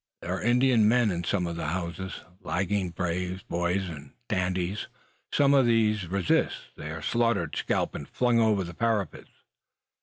There are Indian men in some of the houses lagging braves, boys, and "dandies." Some of these resist. They are slaughtered, scalped, and flung over the parapets.